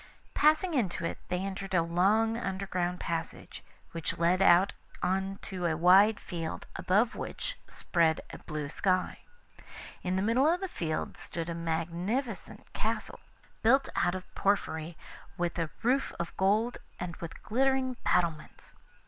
Passing into it, they entered a long underground passage, which led out on to a wide field, above which spread a blue sky. In the middle of the field stood a magnificent castle, built out of porphyry, with a roof of gold and with glittering battlements.